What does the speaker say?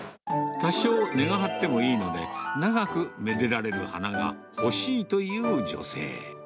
多少、値が張ってもいいので、長くめでられる花が欲しいという女性。